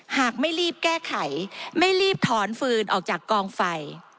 หากไม่รีบแก้ไขไม่รีบถอนฟืนออกจากกองไฟ